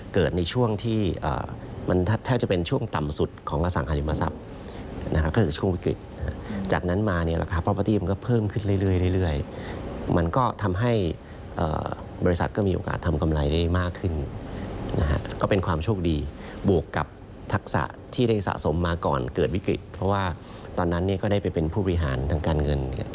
เกิดวิกฤตเพราะว่าตอนนั้นก็ได้ไปเป็นผู้บริหารทางการเงิน